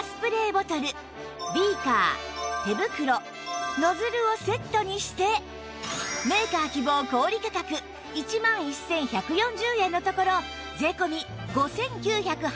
ボトルビーカー手袋ノズルをセットにしてメーカー希望小売価格１万１１４０円のところ税込５９８０円